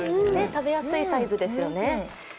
食べやすいサイズですよね。